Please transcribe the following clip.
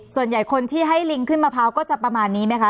ส่วนใหญ่คนที่ให้ลิงขึ้นมะพร้าวก็จะประมาณนี้ไหมคะ